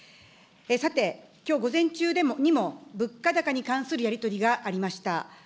さて、きょう午前中にも物価高に関するやり取りがありました。